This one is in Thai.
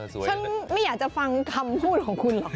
ฉันไม่อยากจะฟังคำพูดของคุณหรอก